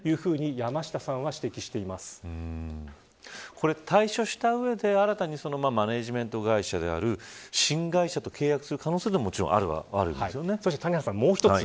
これ退所した上で新たにマネジメント会社である新会社と契約する可能性ももちろん、あるそして谷原さん、もう１つ。